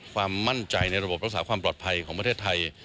ความมั่นใจในระบบรักษาความปลอดภัยของประเทศไทย